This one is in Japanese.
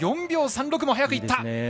４秒３６も早くいった。